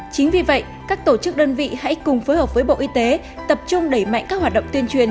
chính vì vậy các tổ chức đơn vị hãy cùng phối hợp với bộ y tế tập trung đẩy mạnh các hoạt động tuyên truyền